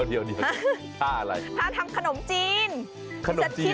เดี๋ยวทำขนมจีน